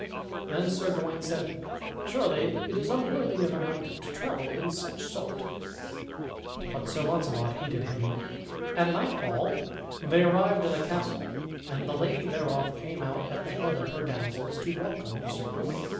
Then Sir Gawain said, "Surely it is unworthy of a knight to travel in such sort;" but Sir Launcelot heeded him not. At nightfall they arrived at a castle and the lady thereof came out at the head of her damsels to welcome Sir Gawain.